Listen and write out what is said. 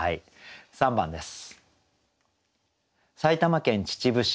３番です。